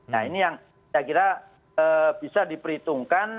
nah ini yang saya kira bisa diperhitungkan